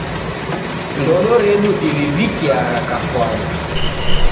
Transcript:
Ndodo redu dirivikiagha kafwane.